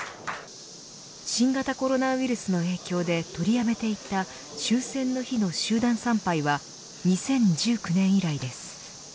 新型コロナウイルスの影響で取りやめていた終戦の日の集団参拝は２０１９年以来です。